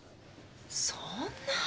そんな。